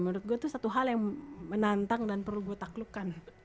menurut gue tuh satu hal yang menantang dan perlu gue taklukkan